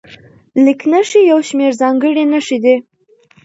لیک نښې یو شمېر ځانګړې نښې دي.